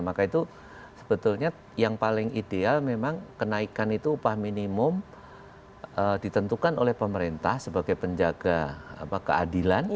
maka itu sebetulnya yang paling ideal memang kenaikan itu upah minimum ditentukan oleh pemerintah sebagai penjaga keadilan